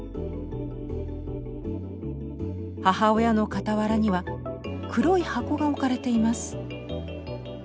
母親の傍らには黒い箱が置かれています。